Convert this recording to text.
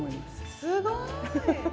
すごい！